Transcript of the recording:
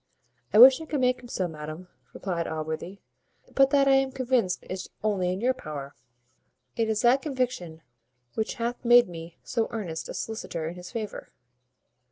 "I wish I could make him so, madam," replied Allworthy; "but that I am convinced is only in your power. It is that conviction which hath made me so earnest a solicitor in his favour."